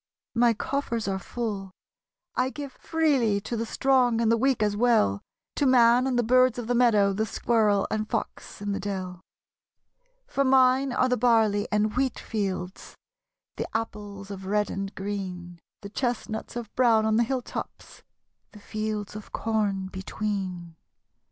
My coffers are full; I give freely To the strong and the weak as well: To man, and the birds of the meadow, The squirrel and fox in the dell. SONG OF AUTUMN. For mine are the barley and wheat fields, The apples of red and green, The chestnuts of brown on the hilltops, 7'he fields of corn between.